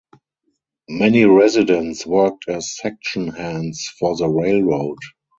Many residents worked as section hands for the railroad.